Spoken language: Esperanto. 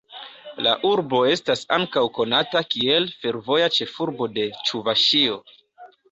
La urbo estas ankaŭ konata kiel ""fervoja ĉefurbo de Ĉuvaŝio"".